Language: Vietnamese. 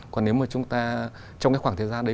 còn nếu mà chúng ta trong cái khoảng thời gian đấy